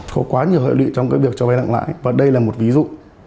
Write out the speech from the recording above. có quá nhiều hợp lý trong các việc cho vay nặng lãi và đây là một ví dụ